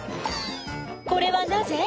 「これはなぜ？」